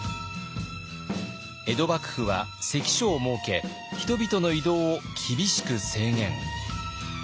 江戸幕府は関所を設け人々の移動を厳しく制限。